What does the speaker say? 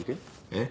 えっ？